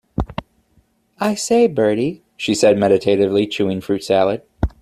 "I say, Bertie," she said, meditatively chewing fruit salad.